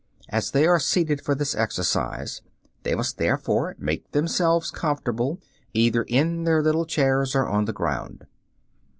As they are seated for this exercise, they must therefore make themselves comfortable either in their little chairs or on the ground.